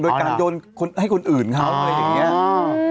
โดยการโยนให้คนอื่นเขาอะไรอย่างนี้